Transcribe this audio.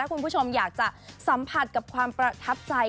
คุณผู้ชมอยากจะสัมผัสกับความประทับใจ